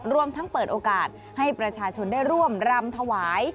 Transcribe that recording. รวมทั้งเปิดโอกาสให้ประชาชนได้ร่วมรำถวาย